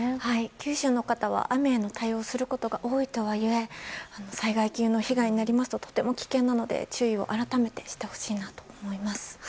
九州の方は雨への対応をすることが多いとはいえ災害級の被害になりますととても危険なので注意を改めてしてほしいなと思います。